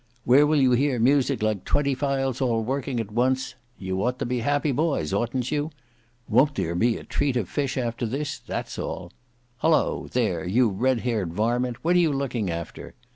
Where will you hear music like twenty files all working at once! You ought to be happy boys, oughtn't you? Won't there be a treat of fish after this, that's all! Hulloa, there, you red haired varmint, what are you looking after?